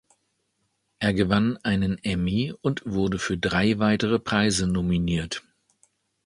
Er gewann einen Emmy und wurde für drei weitere Preise nominiert.